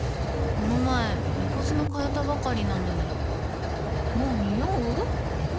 この前猫砂替えたばかりなのにもうニオう？